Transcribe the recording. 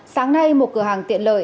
sáng nay một cửa hàng tiện lợi